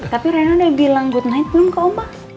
tapi reyno udah bilang good night belum ke oma